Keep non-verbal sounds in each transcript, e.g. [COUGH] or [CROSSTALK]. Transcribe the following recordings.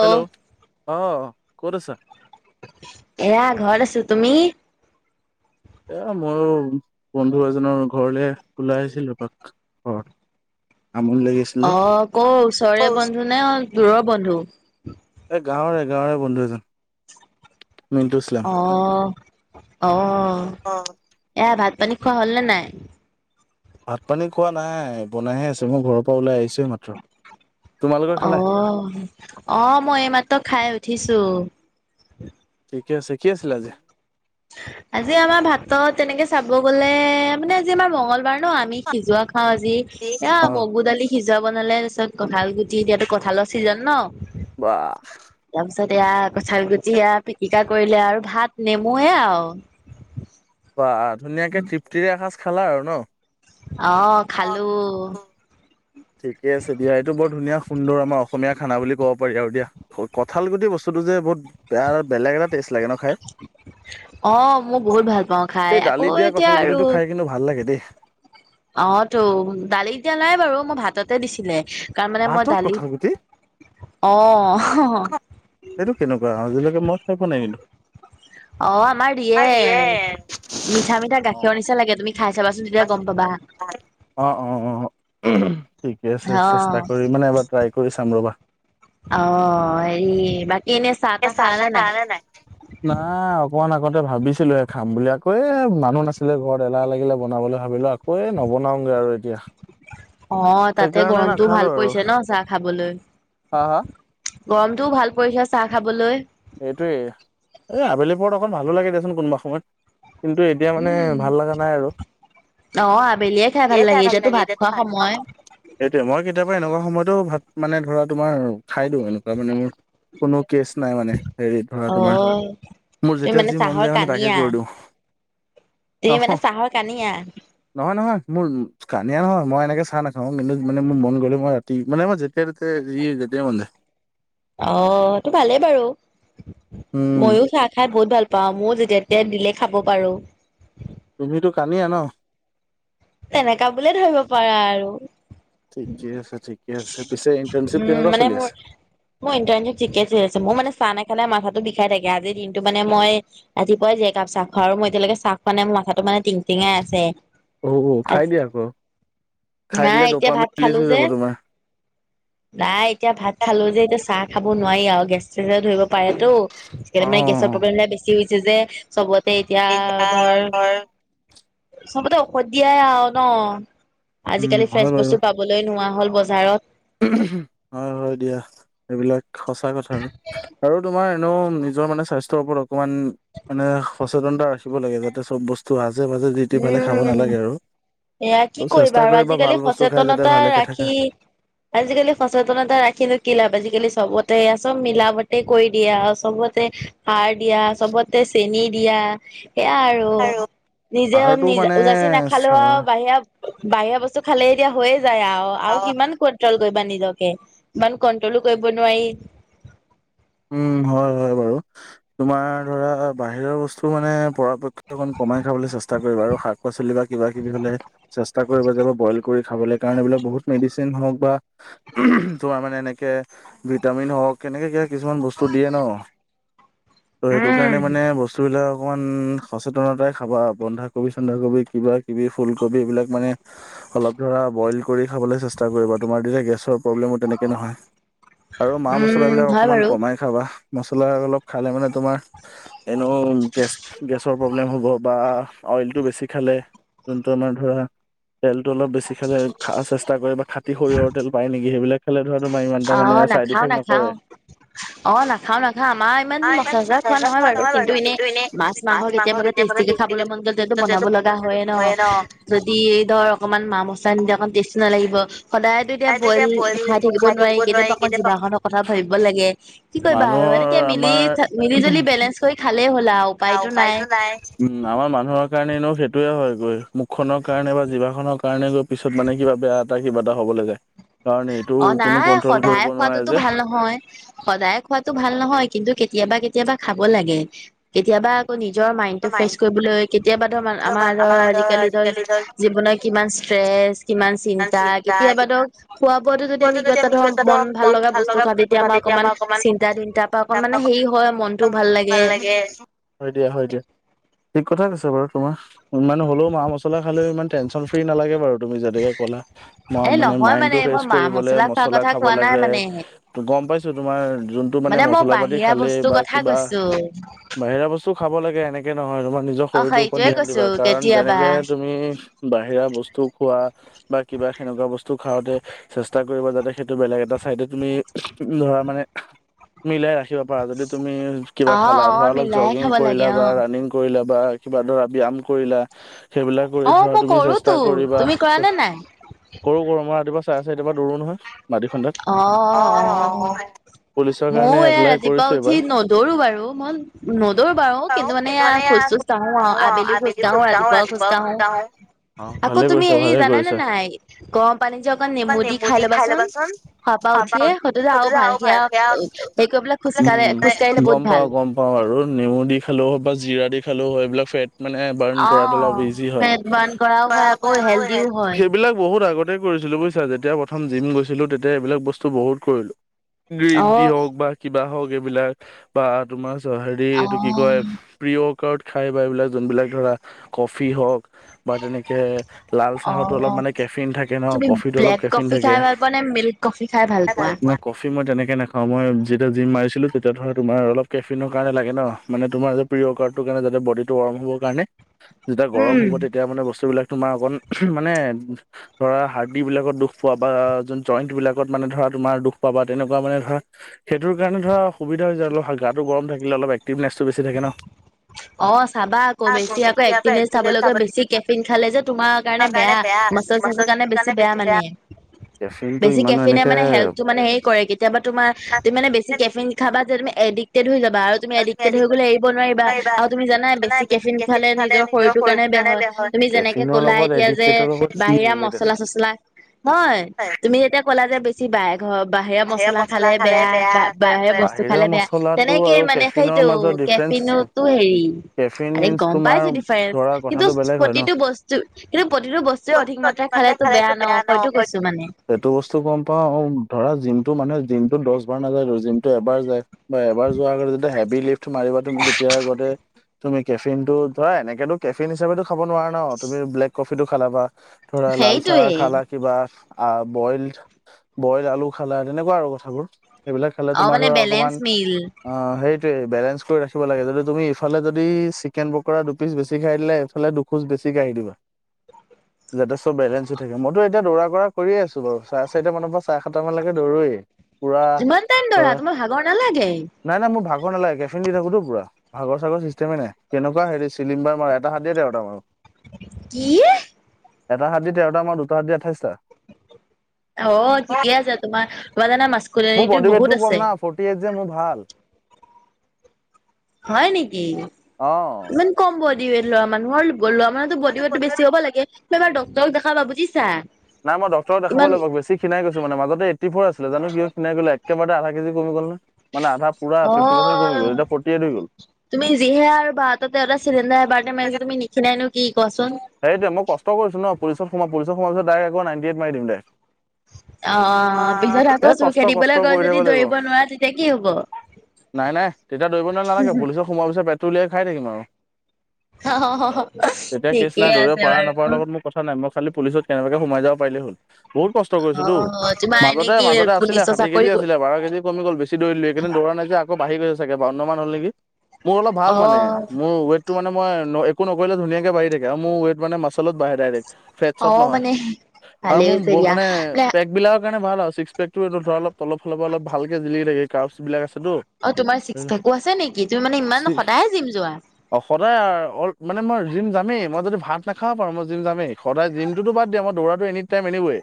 Hello অঁ অঁ ক'ত আছা? এয়া ঘৰত আছো, তুমি? এ মইও বন্ধু এজনৰ ঘৰলে ওলাই আহিছিলো এপাক ঘৰত। অ' ক ওচৰৰে বন্ধু নে দূৰৰ বন্ধু? এই গাঁৱৰে- গাঁৱৰে বন্ধু এজন মিণ্টু ইছলাম। অঁ অঁ। অঁ। এয়া ভাত পানী খোৱা হ'ল নে নাই? ভাত পানী খোৱা নাই বনাইহে আছে মই ঘৰৰ পৰা ওলাই আহিছোহে মাত্ৰ। অ' অ' মই এই মাত্ৰ খাই উঠিছো। ঠিকে আছে, কি আছিলে আজি? [INAUDIBLE] আজি আমাৰ ভাতত তেনেকৈ চাব গ'লে মানে আজি আমাৰ মঙ্গলবাৰ ন আমি সিজোৱা খাওঁ আজি। এইয়া মগু দালি সিজোৱা বনালে তাৰপিছত কঁঠাল গুটি এতিয়াতো কঁঠালৰ ছিজন ন। বাহ। তাৰ পিছত এয়া কঠাল গুটি এয়া পিটিকা কৰিলে আৰু ভাত নেমু আৰু। বা, ধুনীয়াকে তৃপ্তিৰে এসাঁজ খালা আৰু ন। অ' খালো। ঠিকে আছে দিয়া, এইটো বৰ ধুনীয়া সুন্দৰ আমাৰ অসমীয়া খানা বুলি ক'ব পাৰি আৰু দিয়া। কঁঠাল গুটি বস্তুটো যে বহুত বেয়া বেলেগ এটা টেষ্ট লাগে ন খাই? অ' মই বহুত ভাল পাওঁ খাই আকৌ এতিয়া আৰু। অ' তো দালি এতিয়া নাই বাৰু মোক ভাততে দিছিলে। তাৰ মানে মই দালিত অ'। সেইটো কেনেকুৱা আজিলৈকে মই খাই পোৱা নাই কিন্তু। অ' আমাৰ দিয়ে, মিঠা - মিঠা গাখীৰৰ নিচা লাগে তুমি খাই চাবাচোন। তেতিয়া গম পাবা। অ' অ' অ 'ঠিকে আছে, চেষ্টা কৰিম মানে এইবাৰ। কৰি চাম ৰ'বা। অ' হেৰি বাকী এনে। চাহ - তাহ খালা নে নাই? নাই অকমান আগতে ভাবিছিলো হে খাম বুলি, আকৌ এ মানুহ নাছিলে ঘৰত এলাহ লাগিলে বনাবলৈ ভাবিলো আকৌ। এ' নবনাও গৈ আৰু। অ' তাতে গৰমটো ভাল পৰিছে ন চাহ খাবলৈ। গৰমটোও ভাল পৰিছে চাহ খাবলৈ। এইটোৱে এই আবেলপৰত অকণ ভালো লাগে দিয়াচোন কোনোবা সময়ত কিন্তু। এতিয়া মানে ভাল লগা নাই আৰু। অ' আবেলিয়ে খাই ভাল লাগে, এতিয়াতো ভাত খোৱা সময়। সেইটোৱে মই কেতিয়াবা এনেকুৱা সময়তো ভাত মানে ধৰা তোমাৰ খাই দিওঁ এনেকুৱা মানে মোৰ। কোনো কেছ নাই মানে। হেৰি ধৰা তোমাৰ মোৰ যেতিয়া যি মন যায় মানে তাকে কৰি দিওঁ। তুমি মানে চাহৰ কানীয়া? নহয় নহয় মোল কানিয়া নহয় মই এনেকে চাহ নাখাওঁ কিন্তু মানে মোৰ মন গ'লে মই ৰাতি মানে মই যেতিয়া তেতিয়াই যি যেতিয়াই মন যায় অ হেতো ভালেই বাৰু মইও চাহ খাই বহুত ভাল পাওঁ ময়ো যেতিয়া তেতিয়া দিলে খাব পাৰো তুমিতো কানিয়া ন তেনেকা বুলিয়ে ধৰিব পাৰা আৰু ঠিকে আছে ঠিকে আছে পিছে ইণ্টাৰ্ণশ্বিপ কেনেকুৱা চলি আছে মই ইন্তাশ্বঠিকে চলি আছে মোৰ মানে চাহ নেখালে মাথাটো বিষাই থাকে আজিৰ দিনটো মানে মই ৰাতিপুৱাই যে একাপ চাহ খোৱা আৰু মই এতিয়ালৈকে চাহ খোৱা নাই মোৰ মাথাটো মানে টং টিঙাই আছে অ খাই দিয়া আক খাই দিলে দপা মিলিছ হৈ যাব তোমাৰ নাই এতিয়া ভাত খালো যে এতিয়া চাহ খাব নোৱাই আও গেছ চেচে ধৰিব পাৰেতো কেলে মানে গেছৰ প্ৰব্লেম হলে বেছি হৈছে যে চবতে এতিয়া ধৰ চবতে ঔষধ দিয়াই আউ ন আজিকালি ফ্ৰেচ বস্তু পাব বলে নোহোৱা হ'ল বজাৰত হয় হয় দিয়া এইবিলাক সঁচা কথা আৰু আৰু তোমাৰ এনেও নিজৰ মানে স্বাস স্থ্যৰ ওপৰত অকণমান মানে সচেতনতা ৰাখিব লাগে যাতে চব বস্তু আাজে বাজে যিতি পালে খাব নালাগে আৰু এয়াই কি কৰিবা আৰু আজিকালি সচেতনতা ৰাখি আজিকালি সচেতনতা ৰাখিনো কি লাভ আজিকালি চবতে চব মিলাবতে কৰি দিয়ে আউ চবতে সাৰ দিয়া চবতে চেনি দিয়া সেয়া আৰু আৰু নিজে নিজ উজাচি নাখালেও আউ বাহিয়া বাহিৰা বস্তু খালে এতিয়া হৈয়ে যায় আউ আও কিমান কন ট্ৰল কৰিবা নিজকে ইমান কন্ট্ৰলো কৰিব নোৱাই উম হয় হয় বাৰু তোমাৰ ধৰা বাহিৰৰ বস্তু মানে পৰাপক্ষত অকমান কমাই খাবলৈ চেষ্টা কৰিবা আৰু শাক পাচলি বা কিবা কিবি হ'লে চেষ্টা কৰিব যে বইল কৰি খাবলে কাৰণে বোলে বহুত মেডিচিন হওঁক বা তোমাৰ মানে এনেকে ভিটামিন হওক কেনেকে কে কিছুমান বস্তু দিয়ে ন ত সেইটো কাৰণে মানে ব বস্তুবিলাক অকণমান সচেতনতাই খাবা বন্ধাকবি চন্ধাকবি কিবা কিবি ফুলকবি এইবিলাক মানে অলপ ধৰা বইল কৰি খাবলৈ চেষ্টা কৰিব তুমাৰ তেতিয়া গেছৰ প্ৰব্লেমো তেনেকে নহয় আৰু মা মছলাবিলাক অ খাবা মছলা অলপ খালে মানে তোমাৰ এনুও গেছ গেছৰ প্ৰব্লেম হ'ব বা অইলটো বেছি খালে যোনটো আমাৰ ধৰা তেলটো অলপ বেছি খালে খা চেষ্টা কৰে বা খাটি শৰিয়হৰ তেল পায় নেকি সেইবিলাক খালে ধৰা তোমাৰ ইমানটা মানে চাইড ইফেক্ট নকৰে অ নাখাও নাখাও আমাৰ ইমান মচলা চচলা খোৱা নহয় বাৰু কিন্তু এনে মাছ মাংস কেতিয়াবা যে টেষ্টিকে খাবলে মন যায় তেতিয়াতো বনাব লগা হয়ে ন যদি ধৰ অকমান মা মছলা নিদিয়াকে অকমান টেষ্টি নালাগিব সদায়তো এতিয়া বইল খাই থাকিব ব নোৱাই কেতিয়াবা অকণ জিভাখনৰ কথা ভাবিব লাগে কি কৰিবা আৰু এনেকে মিলি থা মিলি জুলি বেলেঞ্চ কৰি খালেই হ'ল আউ অ উপায়তো নাই। উম আমাৰ মানুহৰ কাৰণেনো সেইটোয়ে হয় গৈ মুখনৰ কাৰণে বা জিভা খনৰ কাৰণে গৈ। পিছত মানে কিবা বেয়া এটা কিবা এটা হ'বলৈ যায়। অ নাই সদায় খোৱাতোতো ভাল নহয়। সদায় খোৱাতো ভাল নহয় কিন্তু কেতিয়াবা কেতিয়াবা খাব লাগে। কেতিয়াবা আকৌ নিজৰ মাইণ্ডটো ফ্ৰেছ কৰিবলৈ কেতিয়াবা ধ আমাৰ ধৰ আজিকালি ধৰ জীৱনৰত কিমান ষ্ট্ৰেচ কিমান চিন্তা কেতিয়াব ত খোৱা বোৱাতো যদি আমি কিবা এটা ধৰ মন ভাল লগা বস্তু খাওঁ তেতিয়া আমাৰ অকণমান চিন্তা- চিন্তা ত অকন মানে হেৰি হয় মনতটো ভাল লাগে। হয় দিয়া হয় দিয়া ঠিক কথা কৈছে বাৰু তোমাৰ ইমানে হ'লেও মা মছলা খালেও ইমান টেনচন ফ্ৰী নালাগে বাও তুমি যেনেকে কলা ম মানে মাইণ্ড টো ফ্ৰেছ কৰিবলে মছলা খাব লাগে ত গম পাইছো তোমাৰ যোনটো মানে মছলা পাতি খালেই বা কথা কছোঁ। বাহিৰা বস্তু খাব লাগে এনেকে নহয় তোমাৰ নিজৰ শৰীৰটোৰ ওপৰত ধ্যান দিবা কাৰণ যেনেকে তুমি বাহিৰা বস্তু খোৱা বা কিবা সেনেকুৱা বস্তু খাওঁতে। চেষ্টা কৰিব যাতে সেইটো বেলেগ এটা চাইডে তুমি ধৰা মানে। মিলাই ৰাখিব পাৰা যদি তুমি কিবা খেলা ধৰা অলপ জগিং কৰিলা বা ৰাণিং কৰিলা বা কিবা ধৰা ব্যায়াম কৰিলা। সেইবিলাক কৰি ধৰা তুমি চেষ্টা কৰিবা। কৰো কৰো মই ৰাতিপুৱা চাৰে চাৰিটা পৰা দৌৰো নহয়। অঁ অঁ। মইও এয়া ৰাতিপুৱা উঠি নদৌৰো বাৰু মই নদৌ বাৰু কিন্তু মানে এয়া খোজজ খচ অ আবেলি খুজ কাঢ়োঁ ৰাতিপুৱাও খুজ কাঢ়োঁ। আকৌ তুমি হেৰি জানা নে নাই গৰম পানী যে অক নেমু দি খাই ল'বাচোন। পাপা উঠিয়ে সটো যে আৰু ভাল সেয়া হেৰি কৰি পেলাই খোজকাঢ়ে খোজ কাঢ়িলে বহুত ভাল। গম পাওঁ আৰু নেমু দি খালেও বা জিৰা দি খালেও হয় এইবিলাক ফেট মানে বাৰ্ন কৰাটো অলপ ইজি হৈ সেইবিলাক বহুত আগত। ত কৰিছিলো বুজিছা যেতিয়া প্ৰথম জিম গৈছিলো তেতিয়া এইবিলাক বস্তু বহুত কৰিলোঁ। গ্ৰীণ টি হওক বা কিবা হওক এইবিলাক বা তোমাৰ হেৰি এইটো কি কয়। প্ৰিয়কাৰত খাই বা এইবিলাক যোনবিলাক ধৰা কফি হওক। বা তেনেকে লাল চাহতো অলপ মানে কেফিন থাকে ন। তুমি ব্লেক কফি খাই ভাল পোৱা নে? মিল্ক কফি খাই ভাল পোৱা? কফি মই তেনেকৈ নাখাওঁ মই যেতিয়া জিম মাৰিছিলোঁ তেতিয়া ধৰ তোমাৰ অলপ কেফিনৰ কাৰণে লাগে ন। মানে তোমাৰ প্ৰিয় কাৰণ যাতে বড ৱাৰ্ম হ'ব কাৰণে। যেতিয়া গৰম হ'ব তেতিয়া মানে বস্তুবলাক তোমাৰ অকণ মানে ধৰা হাৰ্। দি বিলাকত দুখ পোৱা বা যোন জইন্ট বিলাকত মানে ধৰা তোমাৰ দুখ পোৱা বা তেনেকুৱা মানে ধৰা। সেইটোৰ কাৰণে ধৰা সুবিধা যায় অল গাটো গৰম থাকিলে অলপ এক্টিভনেচটো বেছি থাকে ন। অ চাবা আকৌ বেছি আকৌ একটিনে চাবলৈকে বেছি কেফিন খালে যে তোমাৰ কাৰণে বেয়া। মাছৰ চাচৰ কাৰণে বেছি বেয়া মানে বেছি কেফিনে মানে হেলত টো মে কৰে কেতিয়াবা তমাৰ তুমি মানে বেছি কেফিন খাবা যে তুমি এডিক্টেড হৈ যাবা আৰু তুমি এডিক্টেড হৈ গ'লে এৰিব নোৱাৰিবা। তুমি জানাই বেছি কেফিন খালে নিজৰ শৰীৰটোৰ কাৰণে বেয়া হয় তুমি যেনেকে কলা এতিয়া যে, বাহিৰা মচলা চচলা নহয় তুমি যেতিয়া ক'লা যে বেছি বায় ঘ বাহিৰা মচলা খালে বেয়া বা বাহৰা বস্তু খালে বেয়া তেনেকে মানে। খাইতো কেফিনোত সেইটো হেৰি, আৰে গম পাইছোঁ ডিফাৰেন্ঞ্চ, কিন্তু প্ৰতিটো বস্তু কিন্তু প্ৰতিটো বস্তুৱে অধিক মাত্ৰা খালেতো বেয়া ন, হয়তো কৈছোঁ মানে। এইটো বস্তু গম পাওঁ, ধৰা জিমটো মানুহে জিমটো দহ বাৰ নাযায় তো, জিমটো এবাৰ যায়। বা এবাৰ যোৱাৰ আগতে যেতিয়া হেভি লিফট মাৰিবা তুমি, তেতিয়া আগতে তুমি কেফিন টো, ধৰা এনেকেতো কেফিন হিচাপে টো খাব নোৱাৰা ন, তুমি ব্লেক কফি টো খালা বা ধৰা, লাল চাহ খালা কিবা আ বইল-বইল আলু খালা, তেনেকুৱা আৰু কথাবোৰ। সেইবিলাক খালে তোমাৰ ধৰা অকমান অ' সেইটোৱে বেলেঞ্চ কৰি ৰাখিব লাগে। যদি তুমি ইফালে যদি চিকেন পকৰা দুপিচ বেছি খাই দিলা এইফালে খোজ বেছি কাঢ়ি দিবা। যথেষ্ট বেলেঞ্চতো থাকে। মইতো এতিয়া দৌৰা কৰা কৰিয়ে আছোঁ বাৰু, চাৰে চাৰিটা মানৰ পৰা চাৰে সাত। সাতটা মানলৈকে দৌৰোৱে, পুৰা ধৰা নাই-নাই মোৰ ভাগৰ নালাগে। কেফিন দি থাকোতো পুৰা ভাগৰ-চাগৰ চিষ্টেমে নাই, কেনেকুৱা হেৰি চিলিম্বাৰ মাৰে, এটা হাত দিয়ে তেৰটা মাৰো। কি? এটা হাত দি তেৰটা মাৰো, দুটা হাত দি আঠাইশটা। অ' ঠিকে আছে তোমাৰ, তোমাৰ জানা মাছ কুলা ৰিংটো বহুত আছে। ফৰটি এইট যে মোৰ ভাল। হয় নেকি, ইমান কম বদি ওৱেট লোৱা মানুহৰ বোলো আমাৰ বডি ৱেটো বেছি হ'ব লাগে, ত এবাৰ ডক্তৰক দেখাবা বুজিছা নাই মই ডক্তৰক দেখাব লাগিব বেছি খিনাই গৈছোঁ মানে মাজতে এইটি ফ'ৰ আছিলোঁ, জানো কিয় খিনাই গ'লে একেবাৰতে আধা কেজি কমি গ'ল নে মানে আধা পুৰা ফিফটি পাৰ্চেন্ট কমি গ'ল, এতিয়া ফ'ৰটি এট হৈ গ'ল। তুমি যিহে আৰু বাৰটা, তেৰটা চিলিণ্ডাৰ এবাৰতে মাৰিছা, তুমি নিখিনাই নো কি কোৱাচোন? সেইটোৱে মই কষ্ট কৰিছো ন, পুলিচত সোমোৱা, পুলিচত সোমোৱা পিছত ডাইৰেক্ট আকৌ নাইটি এইট মাৰি দিম দে। অ' পিছত আকৌ চোৰ খেদিবলৈ গৈ যদি দৌৰিব নোৱাৰা তেতিয়া কি হ'ব? নাই-নাই তেতিয়া দৌৰিব নাল নালাগে, পুলিচত সোমোৱাৰ পিছত পেটতো উলিয়াই খাই থাকিম আৰু। অ'হ-অ'হ ঠিক। নাই দৌৰিব পাৰা নাপাৰা লগত মোৰ কথা নাই, মই খালি পুলিচত কেনেবাকে সোমাই যাব পাৰিলে হ'ল। বহুত কষ্ট কৰিছোঁ তো, মাজতে-মাজতে আছিলে ষাঠি কেজি আছিলে, বাৰ কেজি কমি গ'ল বেছি দৌৰি দিলোঁ, এইকাৰণে দৌৰা নাই যে আকৌ বাঢ়ি গৈ আছে চাগে, বাৱনা মান হ'ল নেকি? মোৰ অলপ ভাল মানে মোৰ ৱেইট টো মানে মই ন একো নকৰিলে ধুনীয়াকে বাঢ়ি থাকে। এ মোৰ ৱেইট মানে মাছলত বাঢ়ে ডাইৰেক্ট। ফেটচত নহয় আৰু মোৰ মানে পেক বিলাকৰ কাৰণে ভাল আৰু পেটো এইটো ধৰা অলপ তলৰ ফালৰ পৰা অলপ ভালকে জিলিকি থাকে, কাৰ্ছ বিলাক আছে। অ' তোমাৰ চিক্স পেকো আছে নেকি? তুমি মানে ইমান সদায় জিম যোৱা। অ' সদায় অল মানে মই জিম যামেই। মই যদি ভাত নাখাব পাৰো, মই জিম যামেই, সদায় জিমটো তো বাদ দিয়া, মই দৌৰাটো এনি টাইম এনি ৱেও।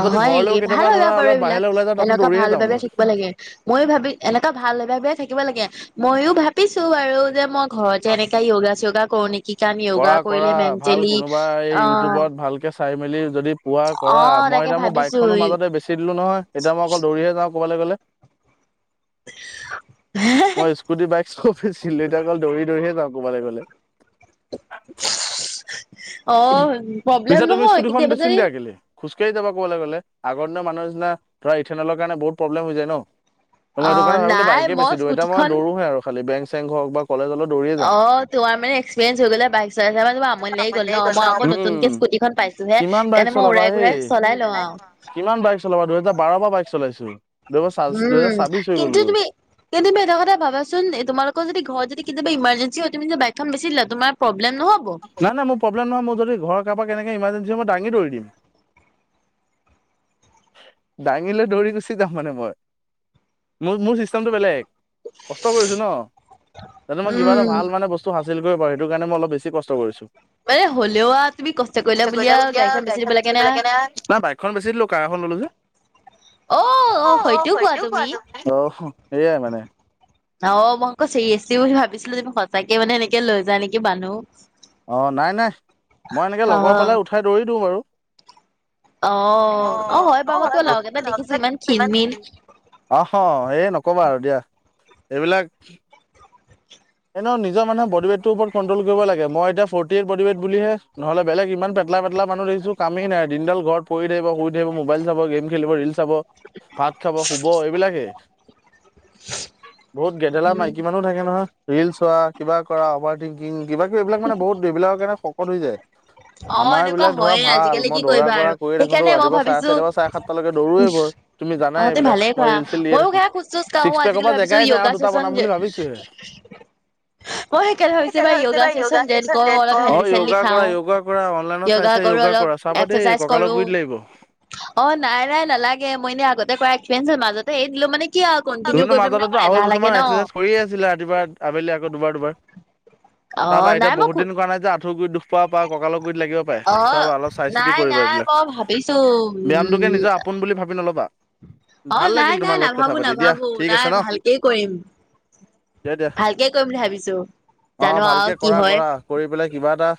অ' হয় নেকি ভাল হয় ব বাৰু এইবিলাক এনেকুৱা ভাল ভাবে থাকিব লাগে। মই ভাবিম, এনেকুৱা ভাল ভাবে থাকিব লাগে। মইয়ো ভাবিছোঁ আৰু যে মই ঘৰতে এনেকােৱা য়োগা-চোগা কৰো নেকি? শিকাম, যোগা কৰিলে মেনটেলি অ'। চাই মেলি যদি পোৱা কৰা, মই এতিয়া মোৰ বাইকখনো মাজতে বেছি দিলোঁ নহয়, এতিয়া মই অকল দৌৰিহে যাওঁ ক'বালে গ'লে। মই স্কুটি, বাইক চবেইছিলো এতিয়া অকল দৌৰি-দৌৰিহে যাওঁ ক'বাল গ'লে। অ' প্ৰব্লেম নহয় কেতিয়াবা যদি খোজকাঢ়ি যাব কবলৈ গ'লে। আগ দিনৰ মানহ নিচিনা, ধৰা ইথেনলৰ কাৰণে বহুত প্ৰব্লেম হৈ যায় ন। ম‌ই এইটো কাৰণে ভাবিলো বাইকে বেছি দো, এতিয়া মই দৌৰোহে আৰু খালি বেংক চেংক হওক বা কলেজলৈও দৌৰিয়ে অ তোমাৰ মানে এক্পিৰিয়েঞ্চ হৈ গ'লে বাইক চাই চাবা আমনি লাগি গ'ল ন? অ মই আকৌ নতুনকে স্কুটিখন পাইছো হে, সেইকাৰণে মই উৰাই ঘুৰাই চলাই লওঁ আৰু। কিমান বাইক চলাবা, দুহেজাৰ বাৰ পৰা বাইক চলাইছো। দুহেজাৰ দুহেজাৰ ছাব্বিশ হৈ গলগৈ। কিন্তু তুমি এটা কথা ভাবাচোন, এ তোমালোকৰ যদি ঘৰত যদি কেতিাবা ইমাৰজেঞ্চি হয় তুমি যে বাইকখন বেচি দিলা তোমাৰ প্ৰব্লেম নহ'ব? নাই নাই মোৰ প্ৰব্লেম নহয়, মোৰ যদি ঘৰ কাৰোবাৰ এনেকে ইমাৰজেঞ্চি মই দাঙি দৌৰি দিম। দাঙিলৈ দৌৰি গুচি যাম মানে মই। মোৰ মোৰ চিষ্টেমটো বেলেগ। কষ্ট কৰিছো ন। যাতে মই কিবা এটা ভাল মানে বস্তু ত হাচিল কৰিব পাৰে, সেইটো কাৰণে মই অলপ বেছি কষ্ট কৰিছো। কৰিলাওতি গাড়ীখন গুচি দিব লাগে ন [UNINTELLIGIBLE] খন বেছি দিলো কাৰ এখন ললো যে। অ অ হয়টো কোৱা তুমি। অ সেয়াই মানে। অ মই আকৌ চিৰিয়াছলি বুলি ভাবিছিলো তুমি সঁচাকে মানে এনেকে লৈ যায় নেকি বানু। অ নাই নাই। মই এনেকে লগৰ পালে উঠাই দৌৰি দিওঁ বাৰু। অ অ দেখ ইমান [UNINTELLIGIBLE] অহ এই নক'বা আৰু দিয়া। এইবিলাক এনেও নিজৰ মানুহে বডি ৱেটটোৰ ওপৰত কট্ৰল কৰিব লাগে। মই এতিয়া ফৰ্টি এইট বডি ৱেট বুলিহে, নহলে বলেগ ইমান- পেতালা পেতলা মানুহ দেখিছোঁ কামেই নাই, দিনডাল ঘৰত পৰি থাকিব, শুই থাকিব, মোবাইল চাব, গেম খেলিব, ৰিল চাব। পাত চাব, শুব, এইবিলাকে। বহুত গেদেলা মাইকী মানুহো থাকে নহয়। ৰিলচ চোৱা, কিবা কৰা, অভাৰ থিংকিং, কিবা কিবি এইবিলাক মানে বহুত এইবিলাকৰ কাৰণে বহুত শকত হৈ যায়। আমাৰ বিলাক ধৰা ভাল। মই দৌৰা কৰা কৰিয়ে থাকোতো, ৰাতিপুৱা চাৰে চাৰিটা পৰা চাৰে সাতটালৈকে দৌৰিৱে গৈ। তুমি জানাই এইবিলাক। মই ৰিল চিল দিয়ে থাকো। ছিক্স পেকৰ পৰা জেগাই নাই আৰু দুটা বনাম বুলি ভাবিছো হে। [INAUDIBLE] অ সেই কাৰণে সেইকাৰণে ভাৱিছো এইবাৰ য়োগা ক্লাছত জ‌ইন ক‌ওং। অ য়োগা কৰা য়োগা কৰা। অনলাইনত চাই চাই য়োগা কৰা চাবা দেই ককাল গুৰিত লাগিব। অ নাই নাই নালাগে। মই এনেই আগতে কৰা এক্সপিৰিয়েঞ্চ মাজতে এ দিলো মানে কি আৰু তুমিটো মাজতেতো আঢ়ৈ বছৰমান এক্সাৰচাইজ কৰিয়ে আছিলা ৰাতিপুৱা আবেলি আকৌ দুবাৰ দুবাৰ। তাৰপা এতিয়া বহুত দিন কৰা নাই যে, আঠুৰ গুৰিত দুখ পাব পাৰা, ককালৰ গুৰিত লাগিব পাৰে। চাবা অলপ চাই চিতি কৰিবা এইবিলাক। ব্যায়ামটোকে নিজৰ আপোন বুলি ভাবি নল'বা। ভাল লাগিল তোমাৰ লগত কথা পাতি। ভাবো নাই ভালকেই কৰিম। ভালকে কৰিম বুলি ভাবিছো। জানো আৰু কি হয়। কৰি পেলাই কিবা এটা